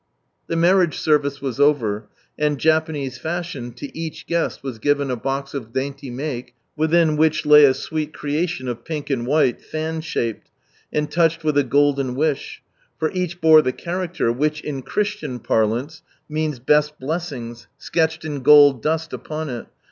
The marriage service was over, and, Japanese fashion, to each guest was given a box of dainty make, within which lay a sweet creation of pink and white, fan shaped, and touched with a golden wish, for each bore the character which, in Christian parlance, means " best blessings," sketched in gold dust upon it.